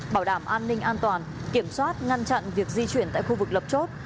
bảo đảm an ninh an toàn kiểm soát ngăn chặn việc di chuyển tại khu vực lập chốt